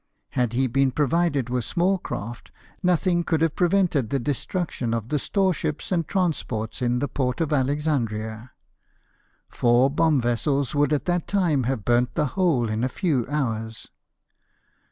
Had he been provided with small craft, nothing could have prevented the destruction of the storeships and transports in the port of Alexandria ; four bomb vessels would at that time have burnt the whole in a few hours.